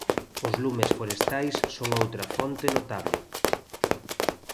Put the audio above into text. Os lumes forestais son outra fonte notable.